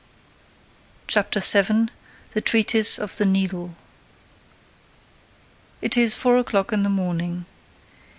CHAPTER SEVEN THE TREATISE OF THE NEEDLE It is four o'clock in the morning.